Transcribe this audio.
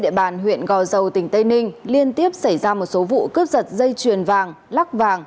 địa bàn huyện gò dầu tỉnh tây ninh liên tiếp xảy ra một số vụ cướp giật dây chuyền vàng lắc vàng